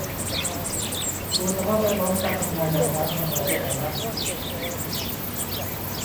ตัวสภาพแวดล้อมการทำงานแบบนั้นมันหายไปไหนนะ